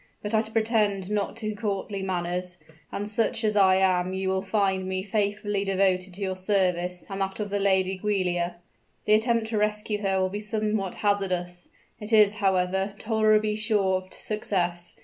But I pretend not to courtly manners; and such as I am you will find me faithfully devoted to your service and that of the Lady Giulia. The attempt to rescue her will be somewhat hazardous; it is, however, tolerably sure of success.